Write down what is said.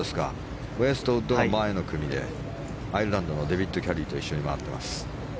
ウェストウッドが前の組でアイルランドのデビッド・キャリーと一緒に回っています。